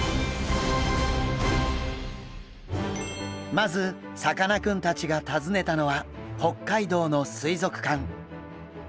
まずさかなクンたちが訪ねたのは北海道の水族館。